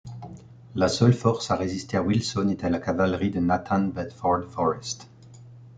La seule force à résister à Wilson était la cavalerie de Nathan Bedford Forrest.